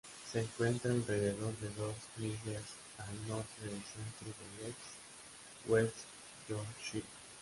Se encuentra alrededor de dos millas al norte del centro de Leeds, West Yorkshire.